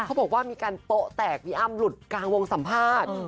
เขาบอกว่ามีการโป๊ะแตกพี่อ้ำหลุดกลางวงสัมภาษณ์